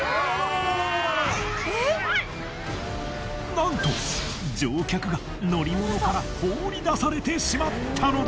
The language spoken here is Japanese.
なんと乗客が乗り物から放り出されてしまったのだ！